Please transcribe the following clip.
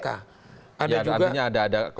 ya artinya ada kelompok profesi yang